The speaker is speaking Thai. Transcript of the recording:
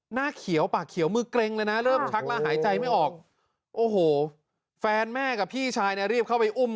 หน้าเขียวปากเขียวมือเกร็งเลยนะเริ่มชักแล้วหายใจไม่ออกโอ้โหแฟนแม่กับพี่ชายเนี่ยรีบเข้าไปอุ้ม